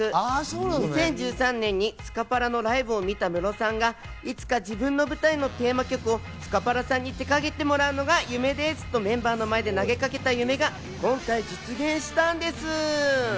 ２０１３年にスカパラのライブを見たムロさんがいつか自分の舞台のテーマ曲をスカパラさんに手がけてもらうのが夢ですと、メンバーの前で投げかけた夢が今回実現したんです。